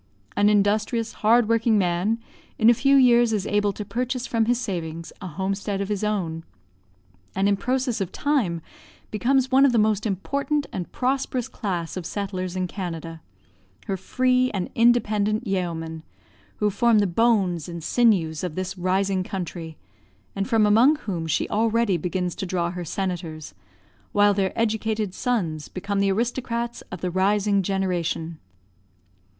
An industrious, hard working man in a few years is able to purchase from his savings a homestead of his own; and in process of time becomes one of the most important and prosperous class of settlers in Canada, her free and independent yeomen, who form the bones and sinews of this rising country, and from among whom she already begins to draw her senators, while their educated sons become the aristocrats of the rising generation.